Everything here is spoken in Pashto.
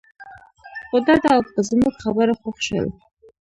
خو ډاډه او په زموږ خبرو خوښ شول.